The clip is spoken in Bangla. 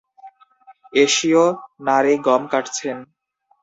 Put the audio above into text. এশীয় নারী গম কাটছেন।